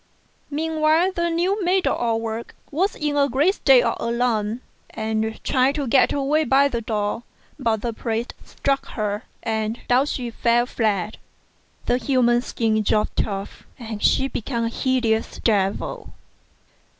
Meanwhile the new maid of all work was in a great state of alarm, and tried to get away by the door ; but the priest struck her and down she fell flat, the human skin dropped off, and she became a hideous devil.